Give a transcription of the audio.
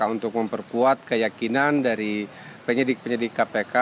untuk memperkuat keyakinan dari penyidik penyidik kpk